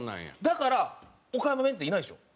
だから岡山弁っていないでしょ？